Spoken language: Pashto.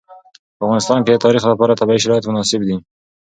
په افغانستان کې د تاریخ لپاره طبیعي شرایط مناسب دي.